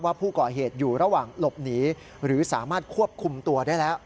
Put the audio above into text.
ว่าผู้ก่อเหตุอยู่ระหว่างหลบหนีหรือสามารถควบคุมตัวได้แล้ว